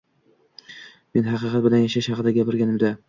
Men “Haqiqat bilan yashash” haqida gapirganimda